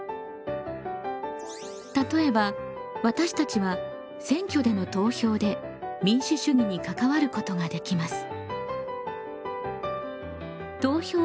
例えば私たちは選挙での投票で民主主義に関わることができます。